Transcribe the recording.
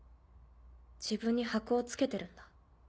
自分に箔を付けてるんだ。